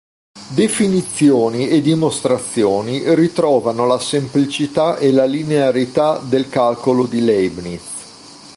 Definizioni e dimostrazioni ritrovano la semplicità e la linearità del calcolo di Leibniz.